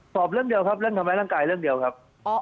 สอบเรื่องเดียวครับเรื่องทำร้ายร่างกายเรื่องเดียวครับ